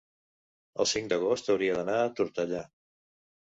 el cinc d'agost hauria d'anar a Tortellà.